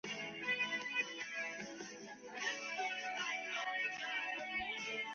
决定开始来读书